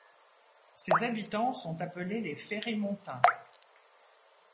Ses habitants sont appelés les Ferrimontains.